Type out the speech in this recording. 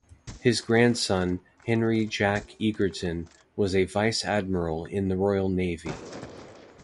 His grandson Henry Jack Egerton was a vice-admiral in the Royal Navy.